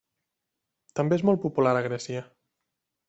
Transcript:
També és molt popular a Grècia.